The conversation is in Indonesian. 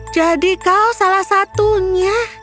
jadi kau salah satunya